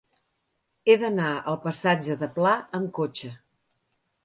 He d'anar al passatge de Pla amb cotxe.